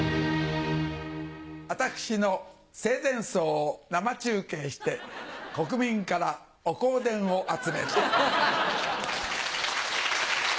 私の生前葬を生中継して国民からお香典を集める。